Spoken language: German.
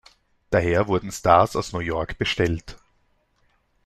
Daher wurden Stars aus New York bestellt.